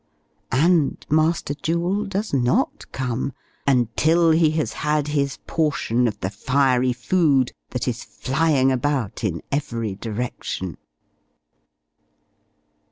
and, Master Jewel does not come, until he has had his portion of the fiery food that is flying about in every direction.